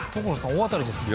大当たりですね